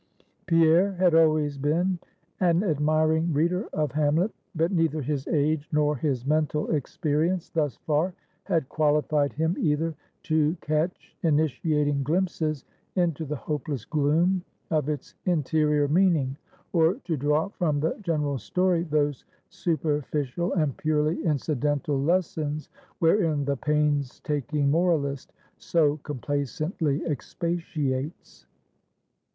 Pierre had always been an admiring reader of Hamlet; but neither his age nor his mental experience thus far, had qualified him either to catch initiating glimpses into the hopeless gloom of its interior meaning, or to draw from the general story those superficial and purely incidental lessons, wherein the painstaking moralist so complacently expatiates.